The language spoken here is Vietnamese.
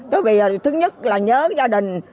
thứ nhất là nhớ gia đình